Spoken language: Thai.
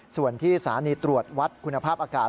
ส่วนที่สถานีตรวจวัดคุณภาพอากาศ